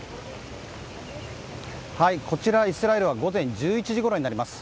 こちら、イスラエルは午前１１時ごろになります。